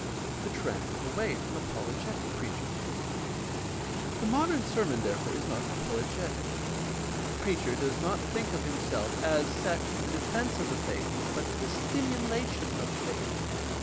The trend away from apologetic preaching. — The modern sermon, therefore, is not apologetic. The preacher does not think of himself as set for the defense of the faith but for the stimulation of faith.